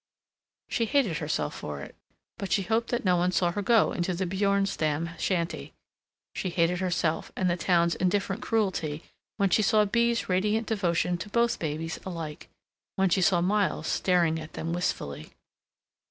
She hated herself for it, but she hoped that no one saw her go into the Bjornstam shanty. She hated herself and the town's indifferent cruelty when she saw Bea's radiant devotion to both babies alike; when she saw Miles staring at them wistfully.